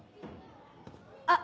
あっ。